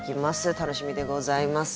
楽しみでございます。